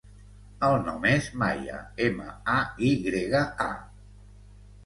El nom és Maya: ema, a, i grega, a.